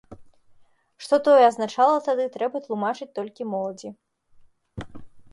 Што тое азначала тады, трэба тлумачыць толькі моладзі.